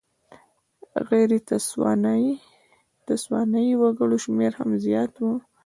غیر تسوانایي وګړو شمېر هم زیات و.